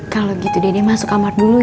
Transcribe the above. kalau gitu dede masuk amar dulu ya